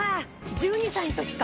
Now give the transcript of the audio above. １２歳の時か。